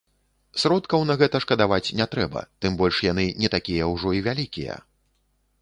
Сродкаў на гэта шкадаваць не трэба, тым больш яны не такія ўжо і вялікія.